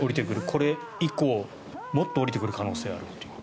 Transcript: これ以降もっと下りてくる可能性があるという。